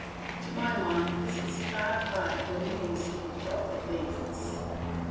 To my mind this is far higher than the instinct of the beasts.